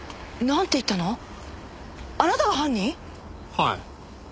はい。